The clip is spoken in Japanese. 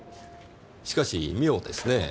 しかし妙ですねぇ。